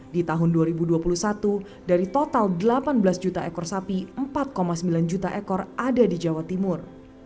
di tahun dua ribu dua puluh satu dari total delapan belas juta ekor sapi empat sembilan juta ekor ada di jawa timur